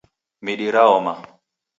Midi raoma